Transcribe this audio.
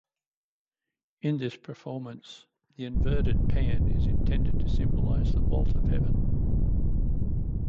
In this performance, the inverted pan is intended to symbolize the vault of heaven.